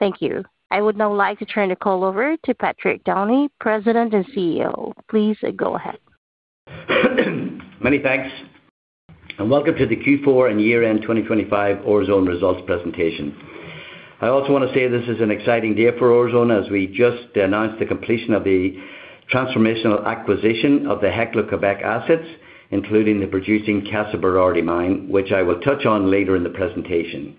Thank you. I would now like to turn the call over to Patrick Downey, President and CEO. Please go ahead. Many thanks, and welcome to the Q4 and year-end 2025 Orezone results presentation. I also want to say this is an exciting day for Orezone as we just announced the completion of the transformational acquisition of the Hecla Quebec assets, including the producing Casa Berardi mine, which I will touch on later in the presentation.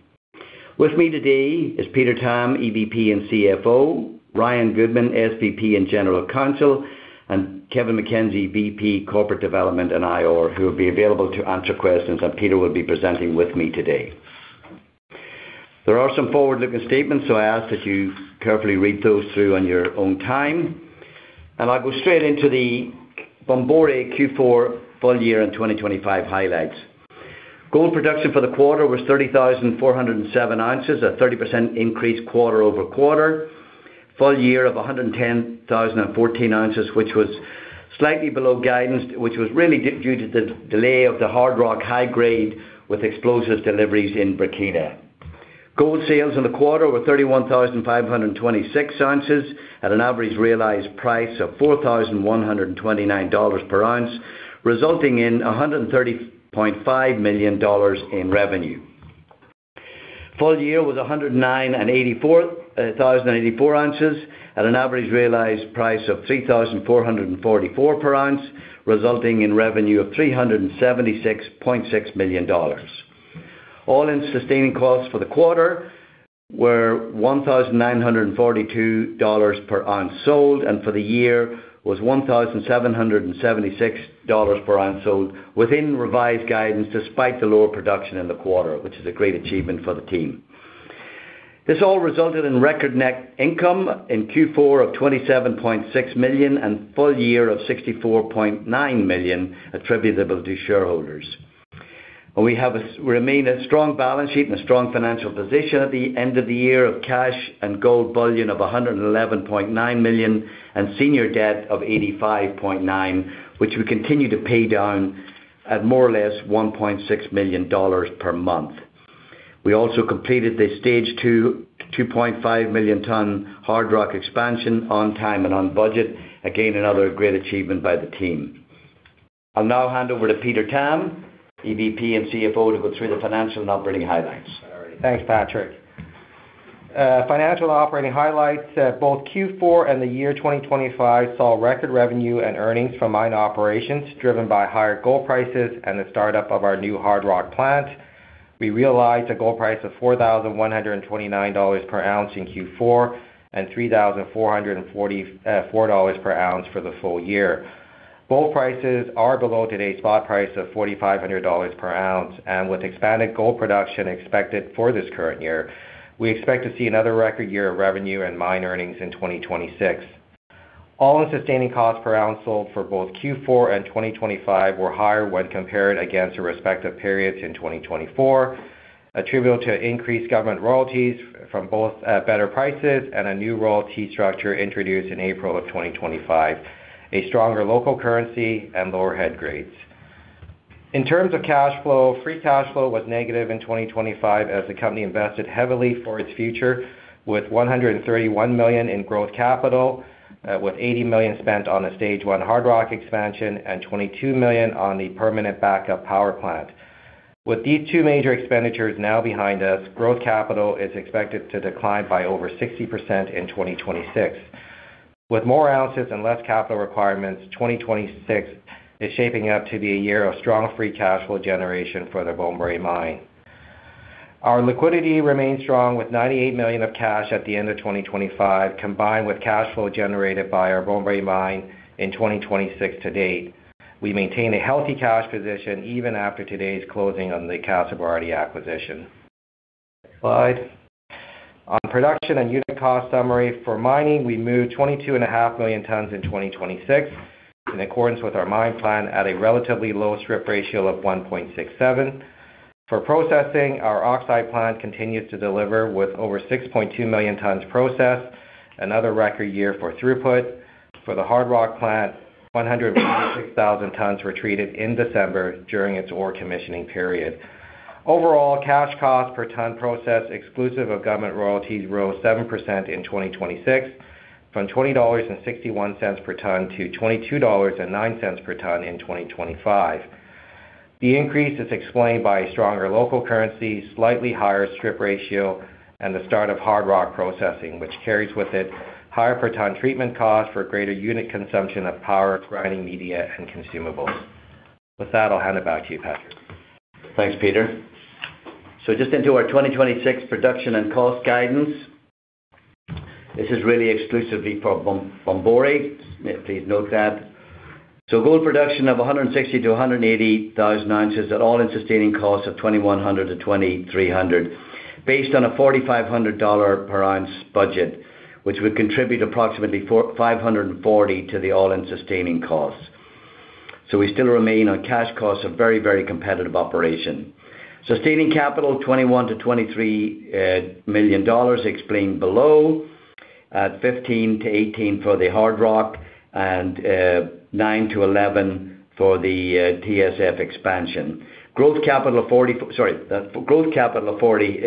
With me today is Peter Tam, EVP and CFO, Ryan Goodman, SVP and General Counsel, and Kevin MacKenzie, VP Corporate Development and IR, who will be available to answer questions, and Peter will be presenting with me today. There are some forward-looking statements, so I ask that you carefully read those through on your own time, and I'll go straight into the Bomboré Q4 full year in 2025 highlights. Gold production for the quarter was 30,407 ounces, a 30% increase quarter-over-quarter. Full year of 110,014 ounces, which was slightly below guidance, which was really due to the delay of the hard rock high grade with explosives deliveries in Burkina. Gold sales in the quarter were 31,526 ounces at an average realized price of $4,129 per ounce, resulting in $130.5 million in revenue. Full year was 109,084 ounces at an average realized price of $3,444 per ounce, resulting in revenue of $376.6 million. All-in sustaining costs for the quarter were $1,942 per ounce sold, and for the year was $1,776 per ounce sold within revised guidance despite the lower production in the quarter, which is a great achievement for the team. This all resulted in record net income in Q4 of $27.6 million and full year of $64.9 million attributable to shareholders. We remain a strong balance sheet and a strong financial position at the end of the year of cash and gold bullion of $111.9 million, and senior debt of $85.9 million, which we continue to pay down at more or less $1.6 million per month. We also completed the stage two, 2.5 million-ton hard rock expansion on time and on budget. Again, another great achievement by the team. I'll now hand over to Peter Tam, EVP and CFO, to go through the financial and operating highlights. All right. Thanks, Patrick. Financial and operating highlights, both Q4 and the year 2025 saw record revenue and earnings from mine operations driven by higher gold prices and the start of our new hard rock plant. We realized a gold price of $4,129 per ounce in Q4 and $3,444 per ounce for the full year. Gold prices are below today's spot price of $4,500 per ounce, and with expanded gold production expected for this current year, we expect to see another record year of revenue and mine earnings in 2026. All-in sustaining costs per ounce sold for both Q4 and 2025 were higher when compared against the respective periods in 2024, attributable to increased government royalties from both better prices and a new royalty structure introduced in April of 2025, a stronger local currency and lower head grades. In terms of cash flow, free cash flow was negative in 2025 as the company invested heavily for its future with $131 million in growth capital, with $80 million spent on the stage one hard rock expansion and $22 million on the permanent backup power plant. With these two major expenditures now behind us, growth capital is expected to decline by over 60% in 2026. With more ounces and less capital requirements, 2026 is shaping up to be a year of strong free cash flow generation for the Bomboré mine. Our liquidity remains strong with $98 million of cash at the end of 2025, combined with cash flow generated by our Bomboré mine in 2026 to date. We maintain a healthy cash position even after today's closing on the Casa Berardi acquisition. Slide. On production and unit cost summary for mining, we moved 22.5 million tons in 2026, in accordance with our mine plan at a relatively low strip ratio of 1.67. For processing, our oxide plant continues to deliver with over 6.2 million tons processed, another record year for throughput. For the hard rock plant, 166,000 tons were treated in December during its ore commissioning period. Overall, cash costs per ton processed exclusive of government royalties rose 7% in 2026 from $20.61 per ton to $22.09 per ton in 2025. The increase is explained by stronger local currency, slightly higher strip ratio, and the start of hard rock processing, which carries with it higher per ton treatment costs for greater unit consumption of power, grinding media, and consumables. With that, I'll hand it back to you, Patrick. Thanks, Peter. Just into our 2026 production and cost guidance. This is really exclusively for Bomboré. Please note that. Gold production of 160,000-180,000 ounces at all-in sustaining costs of $2,100-$2,300, based on a $4,500 per ounce budget, which would contribute approximately $450 to the all-in sustaining costs. We still remain on cash costs a very, very competitive operation. Sustaining capital $21 million-$23 million explained below. At $15 million-$18 million for the hard rock and $9 million-$11 million for the TSF expansion. Growth capital of $44 million-$52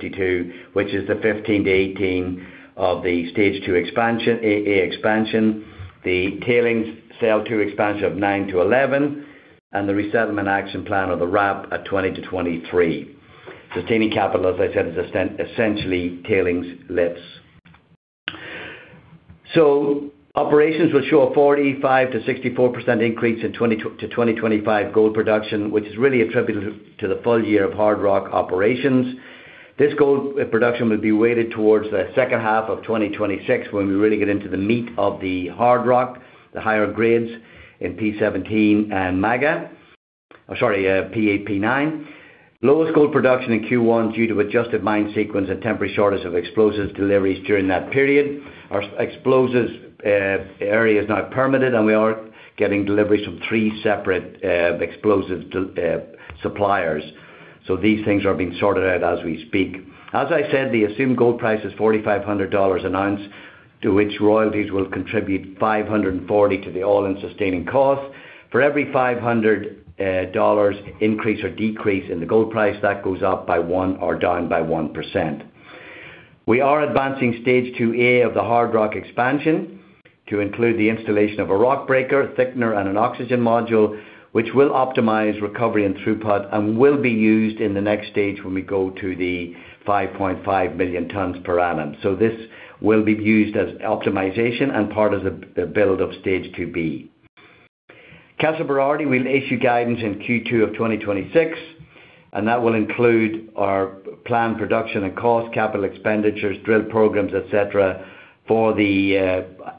million, which is the $15 million-$18 million of the Stage Two expansion, Stage Two A expansion, the tailings Stage Two expansion of $9 million-$11 million, and the Resettlement Action Plan or the RAP at $20 million-$23 million. Sustaining capital, as I said, is essentially tailings lifts. Operations will show a 45%-64% increase in 2024 to 2025 gold production, which is really attributed to the full year of hard rock operations. This gold production will be weighted towards the second half of 2026 when we really get into the meat of the hard rock, the higher grades in P17 and Maga, P8, P9. Lower gold production in Q1 due to adjusted mine sequence and temporary shortage of explosives deliveries during that period. Our explosives area is now permitted, and we are getting deliveries from three separate explosives suppliers. These things are being sorted out as we speak. As I said, the assumed gold price is $4,500 an ounce, to which royalties will contribute $540 to the all-in sustaining cost. For every $500 increase or decrease in the gold price, that goes up by 1% or down by 1%. We are advancing Stage Two-A of the hard rock expansion to include the installation of a rock breaker, thickener, and an oxygen module, which will optimize recovery and throughput and will be used in the next stage when we go to the 5.5 million tons per annum. This will be used as optimization and part of the build of Stage Two-B. Casa Berardi, we'll issue guidance in Q2 of 2026, and that will include our planned production and cost, capital expenditures, drill programs, et cetera, for the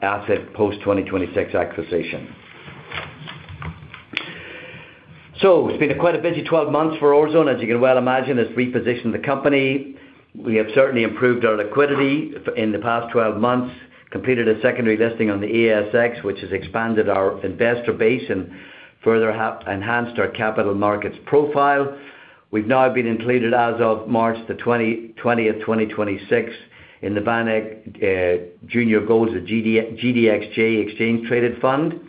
asset post-2026 acquisition. It's been quite a busy 12 months for Orezone, as you can well imagine, has repositioned the company. We have certainly improved our liquidity in the past 12 months, completed a secondary listing on the ASX, which has expanded our investor base and further enhanced our capital markets profile. We've now been included as of March 20, 2026 in the VanEck Junior Gold GDXJ Exchange Traded Fund.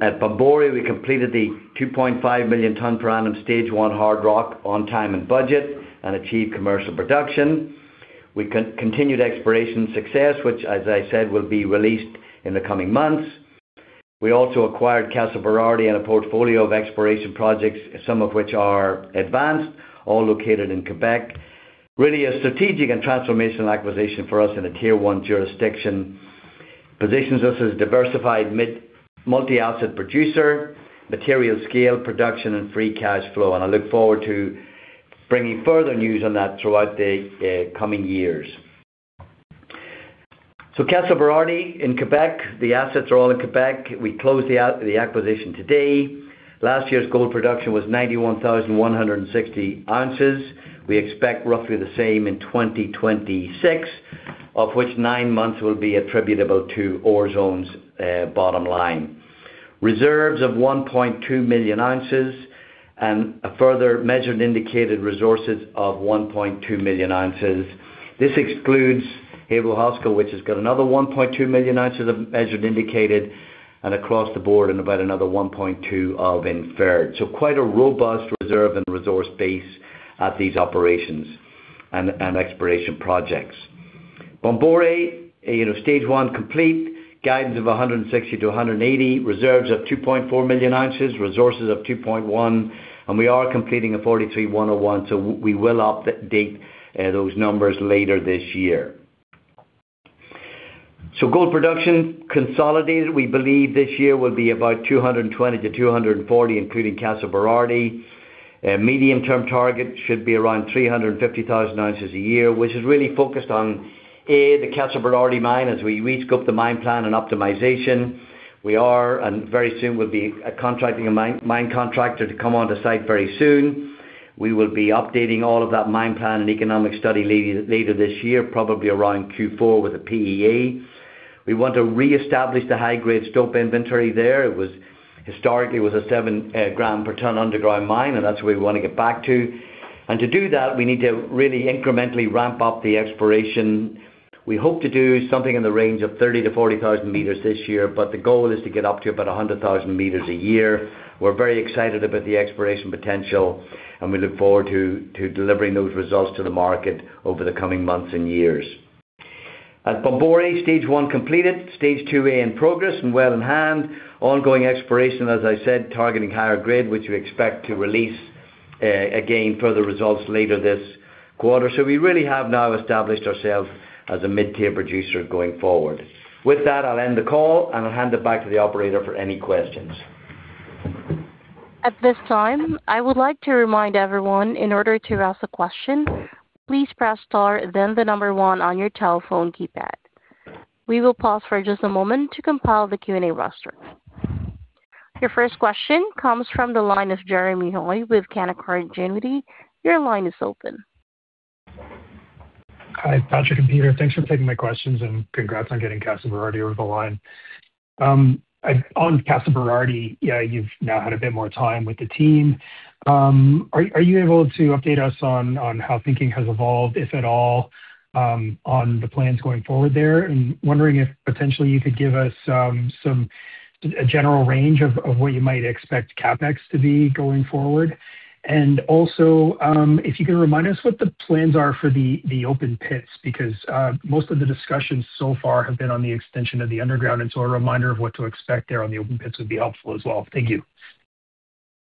At Bomboré, we completed the 2.5 million tons per annum Stage One hard rock on time and budget and achieved commercial production. We continued exploration success, which as I said, will be released in the coming months. We also acquired Casa Berardi and a portfolio of exploration projects, some of which are advanced, all located in Quebec. Really a strategic and transformational acquisition for us in a Tier One jurisdiction, positions us as diversified mid-multi-asset producer, material scale, production and free cash flow. I look forward to bringing further news on that throughout the coming years. Casa Berardi in Quebec, the assets are all in Quebec. We closed the acquisition today. Last year's gold production was 91,160 ounces. We expect roughly the same in 2026, of which nine months will be attributable to Orezone's bottom line. Reserves of 1.2 million ounces and a further measured and indicated resources of 1.2 million ounces. This excludes Heva-Hosco, which has got another 1.2 million ounces of measured and indicated, and about another 1.2 million ounces of inferred. Quite a robust reserve and resource base at these operations and exploration projects. Bomboré, you know, Stage one complete, guidance of 160-180, reserves of 2.4 million ounces, resources of 2.1 million, and we are completing a 43-101, so we will update those numbers later this year. Gold production consolidated, we believe this year will be about 220-240, including Casa Berardi. A medium-term target should be around 350,000 ounces a year, which is really focused on a, the Casa Berardi mine as we rescope the mine plan and optimization. We are, and very soon will be, contracting a mine contractor to come onto site very soon. We will be updating all of that mine plan and economic study later this year, probably around Q4 with a PEA. We want to reestablish the high-grade stope inventory there. It was historically a 7 gram per ton underground mine, and that's where we want to get back to. To do that, we need to really incrementally ramp up the exploration. We hope to do something in the range of 30,000-40,000 meters this year, but the goal is to get up to about 100,000 meters a year. We're very excited about the exploration potential, and we look forward to delivering those results to the market over the coming months and years. At Bomboré, Stage One completed, Stage Two-A in progress and well in hand. Ongoing exploration, as I said, targeting higher grade, which we expect to release, again, further results later this quarter. We really have now established ourselves as a mid-tier producer going forward. With that, I'll end the call, and I'll hand it back to the operator for any questions. At this time, I would like to remind everyone in order to ask a question, please press star then the number one on your telephone keypad. We will pause for just a moment to compile the Q&A roster. Your first question comes from the line of Jeremy Hoy with Canaccord Genuity. Your line is open. Hi, Patrick and Peter. Thanks for taking my questions and congrats on getting Casa Berardi over the line. On Casa Berardi, yeah, you've now had a bit more time with the team. Are you able to update us on how thinking has evolved, if at all, on the plans going forward there? Wondering if potentially you could give us a general range of what you might expect CapEx to be going forward. Also, if you can remind us what the plans are for the open pits, because most of the discussions so far have been on the extension of the underground. A reminder of what to expect there on the open pits would be helpful as well. Thank you.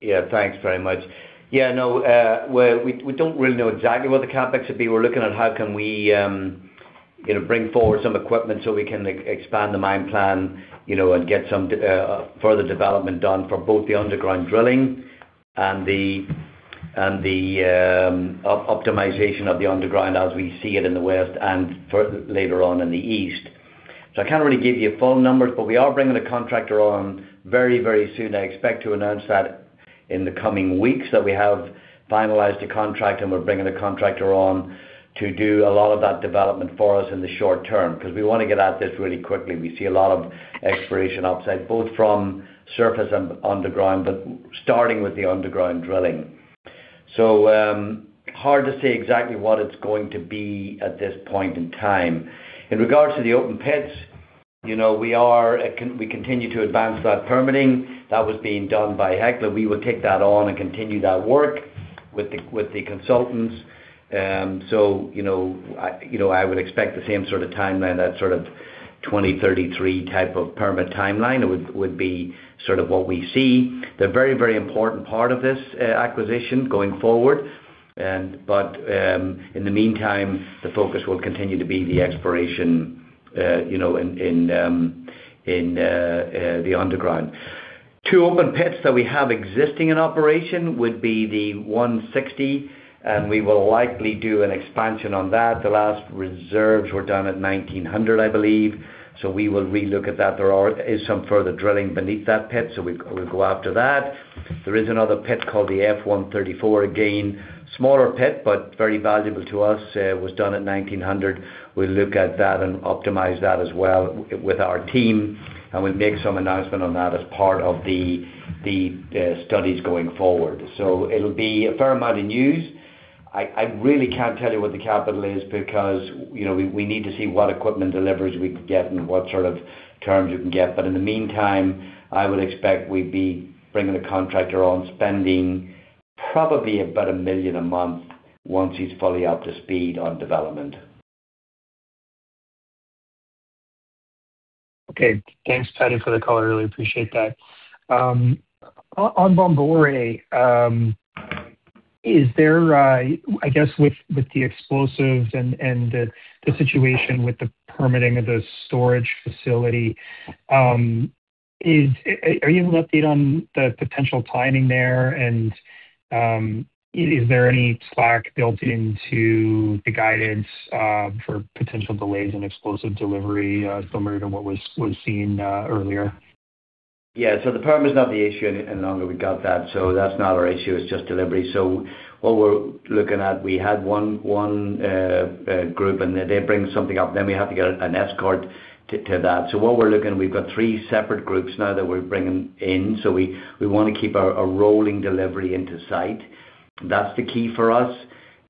Yeah. Thanks very much. No, well, we don't really know exactly what the CapEx would be. We're looking at how can we bring forward some equipment so we can expand the mine plan, you know, and get some further development done for both the underground drilling and the optimization of the underground as we see it in the west and later on in the east. I can't really give you full numbers, but we are bringing a contractor on very soon. I expect to announce that in the coming weeks, that we have finalized a contract, and we're bringing a contractor on to do a lot of that development for us in the short term, 'cause we wanna get at this really quickly. We see a lot of exploration upside, both from surface and underground, but starting with the underground drilling. Hard to say exactly what it's going to be at this point in time. In regards to the open pits, you know, we continue to advance that permitting. That was being done by Hecla. We will take that on and continue that work with the consultants. You know, I would expect the same sort of timeline, that sort of 20-33 type of permit timeline would be sort of what we see. They're a very, very important part of this acquisition going forward. In the meantime, the focus will continue to be the exploration, you know, in the underground. Two open pits that we have existing in operation would be the 160, and we will likely do an expansion on that. The last reserves were done at 1900, I believe. We will relook at that. There is some further drilling beneath that pit, so we'll go after that. There is another pit called the F-134. Again, smaller pit, but very valuable to us. It was done in 1900. We'll look at that and optimize that as well with our team, and we'll make some announcement on that as part of the studies going forward. It'll be a fair amount of news. I really can't tell you what the capital is because, you know, we need to see what equipment delivers we can get and what sort of terms you can get. In the meantime, I would expect we'd be bringing the contractor on, spending probably about $1 million a month once he's fully up to speed on development. Okay. Thanks, Patty, for the color. I really appreciate that. On Bomboré, is there, I guess, with the explosives and the situation with the permitting of the storage facility, are you able to update on the potential timing there? Is there any slack built into the guidance for potential delays in explosive delivery similar to what was seen earlier? Yeah. The permit is not the issue any longer. We got that. That's not our issue, it's just delivery. What we're looking at, we had one group, and they're bringing something up. Then we have to get an escort to that. We've got three separate groups now that we're bringing in. We wanna keep a rolling delivery into site. That's the key for us.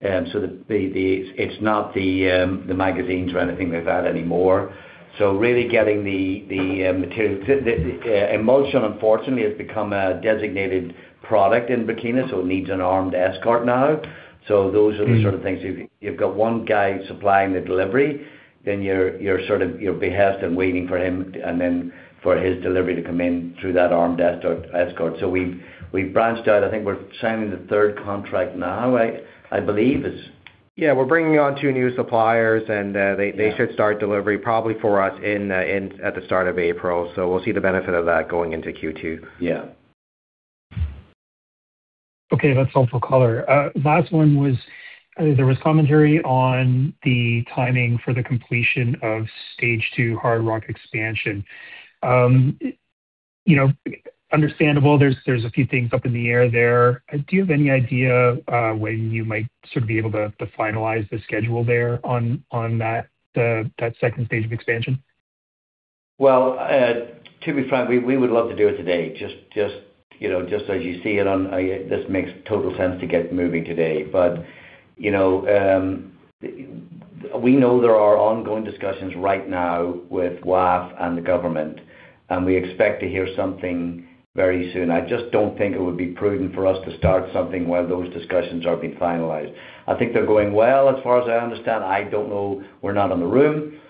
It's not the magazines or anything like that anymore. Really getting the material. The emulsion unfortunately has become a designated product in Burkina, so it needs an armed escort now. Those are- Mm. The sort of things. You've got one guy supplying the delivery, then you're sort of at his behest and waiting for him and then for his delivery to come in through that armed escort. We've branched out. I think we're signing the third contract now. I believe it's yeah. We're bringing on two new suppliers and they should start delivery probably for us in at the start of April. We'll see the benefit of that going into Q2. Yeah. Okay. That's helpful color. Last one was, there was commentary on the timing for the completion of Stage Two hard rock expansion. You know, understandable, there's a few things up in the air there. Do you have any idea, when you might sort of be able to finalize the schedule there on that second stage of expansion? Well, to be frank, we would love to do it today. Just, you know, this makes total sense to get moving today. You know, we know there are ongoing discussions right now with WAF and the government, and we expect to hear something very soon. I just don't think it would be prudent for us to start something while those discussions are being finalized. I think they're going well, as far as I understand. I don't know. We're not in the room.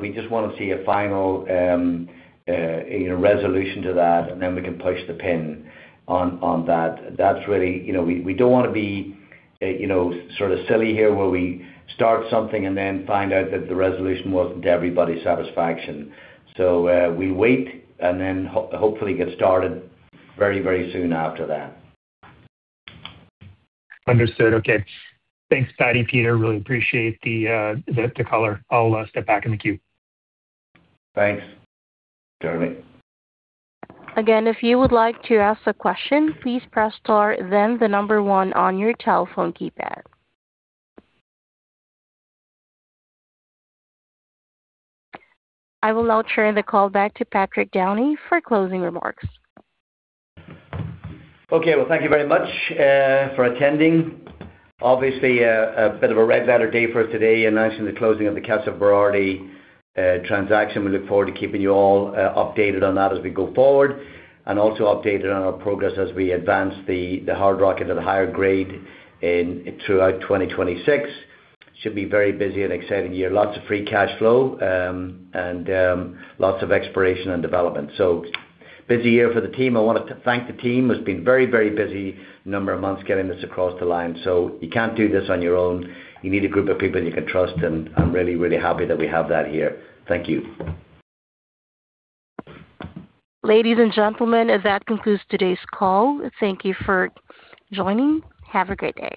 We just wanna see a final, you know, resolution to that, and then we can push the pin on that. That's really. You know, we don't wanna be, you know, sort of silly here, where we start something and then find out that the resolution wasn't to everybody's satisfaction. We wait and then hopefully get started very, very soon after that. Understood. Okay. Thanks, Patty, Peter, really appreciate the color. I'll step back in the queue. Thanks, Jeremy. Again, if you would like to ask a question, please press star then the number one on your telephone keypad. I will now turn the call back to Patrick Downey for closing remarks. Okay. Well, thank you very much for attending. Obviously, a bit of a red letter day for us today, announcing the closing of the Casa Berardi transaction. We look forward to keeping you all updated on that as we go forward and also updated on our progress as we advance the hard rock into the higher grade throughout 2026. It should be a very busy and exciting year. Lots of free cash flow and lots of exploration and development. Busy year for the team. I wanted to thank the team who's been very busy a number of months getting this across the line. You can't do this on your own. You need a group of people you can trust, and I'm really happy that we have that here. Thank you. Ladies and gentlemen, that concludes today's call. Thank you for joining. Have a great day.